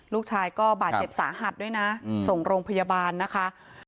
ลูกชายก็บาดเจ็บสาหัสด้วยนะส่งโรงพยาบาลนะคะ